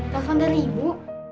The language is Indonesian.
telepon dari ibu